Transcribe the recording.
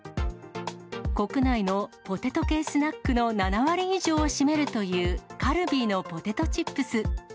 国内のポテト系スナックの７割以上を占めるというカルビーのポテトチップス。